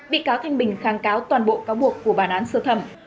bị cáo thanh bình kháng cáo toàn bộ cáo buộc của bản án sơ thẩm